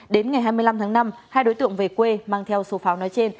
đến ngày hai mươi năm tháng năm hai đối tượng về quê mang theo số pháo nói trên